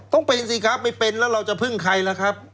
ต้องเป็นสิครับไม่เป็นแล้วเราจะพึ่งใครล่ะครับ